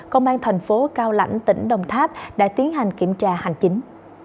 công an thành phố cao lãnh tỉnh đồng tháp đã tiến hành kiểm tra hành chính